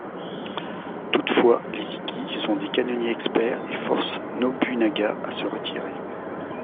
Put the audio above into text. Toutefois, les Ikki sont des canonniers experts et forcent Nobunaga à se retirer.